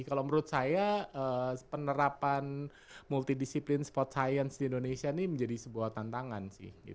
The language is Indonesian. kalau menurut saya penerapan multidisiplin sport science di indonesia ini menjadi sebuah tantangan sih